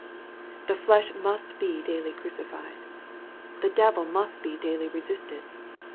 The flesh must be daily crucified. The devil must be daily resisted.